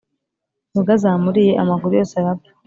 Imbwazamuriye amaguru yose arapfa